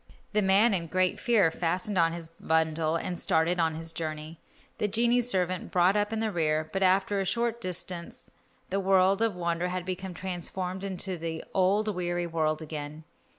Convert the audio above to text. The man, in great fear, fastened on his bundle and started on his journey. The genie servant brought up the rear, but after a short distance the world of wonder had become transformed into the old weary world again.